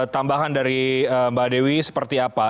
tambahan dari mbak dewi seperti apa